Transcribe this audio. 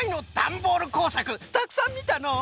たくさんみたのう。